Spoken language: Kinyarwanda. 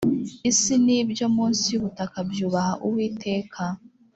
isi n ibyo munsi y ubutaka byubaha uwiteka